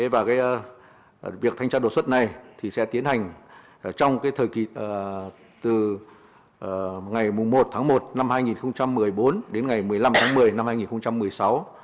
và việc thanh tra đột xuất này sẽ tiến hành trong thời kỳ từ ngày một tháng một năm hai nghìn một mươi bốn đến ngày một mươi năm tháng một mươi năm hai nghìn một mươi sáu